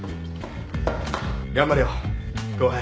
頑張れよ後輩。